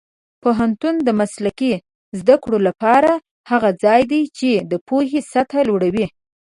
پوهنتون د مسلکي زده کړو لپاره هغه ځای دی چې د پوهې سطح لوړوي.